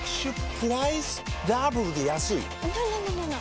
プライスダブルで安いＮｏ！